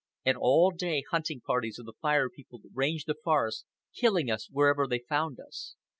And all day hunting parties of the Fire People ranged the forest, killing us wherever they found us.